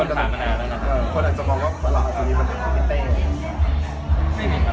ตอนอันนี้มันมาจากที่เต้นกัน